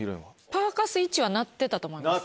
パーカスは鳴ってたと思います。